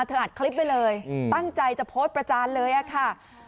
อัดคลิปไว้เลยตั้งใจจะโพสต์ประจานเลยอะค่ะ